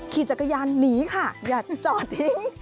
ขี่จักรยานหนีค่ะอย่าจอดทิ้ง